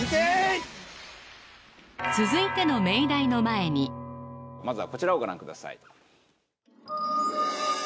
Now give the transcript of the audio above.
続いてのまずはこちらをご覧ください